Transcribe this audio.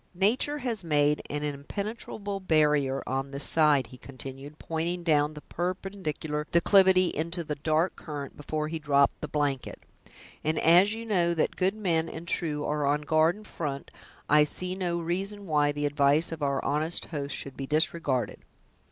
"Nature has made an impenetrable barrier on this side," he continued, pointing down the perpendicular declivity into the dark current before he dropped the blanket; "and as you know that good men and true are on guard in front I see no reason why the advice of our honest host should be disregarded.